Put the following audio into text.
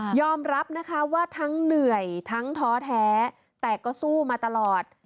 ยอมรับนะคะว่าทั้งเหนื่อยทั้งท้อแท้แต่ก็สู้มาตลอด